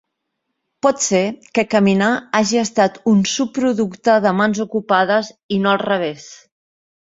Pot ser que caminar hagi estat un subproducte de mans ocupades i no al revés.